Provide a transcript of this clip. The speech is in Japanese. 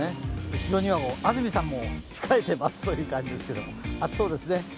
後ろには安住さんも控えてますという感じですけど暑そうですね。